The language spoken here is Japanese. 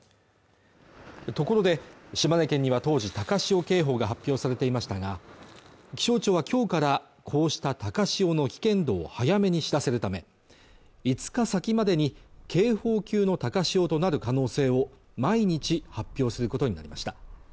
ところで島根県には当時高潮警報が発表されていましたが気象庁はきょうからこうした高潮の危険度を早めに知らせるため５日先までに警報級の高潮となる可能性を毎日発表することになりました